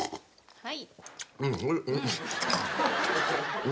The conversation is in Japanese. はい。